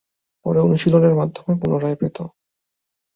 পরে অনুশীলনের মাধ্যমে পুনরায় পেতো।